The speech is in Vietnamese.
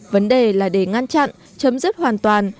vấn đề là để ngăn chặn chấm dứt hoàn toàn